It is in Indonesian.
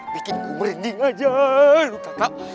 bikin kumrending aja lu kakak